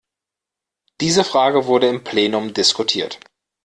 Diese Frage wurde im Plenum diskutiert.